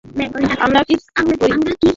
আমরা কিস করি?